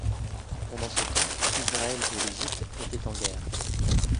Pendant ce temps, Israël et l’Égypte étaient en guerre.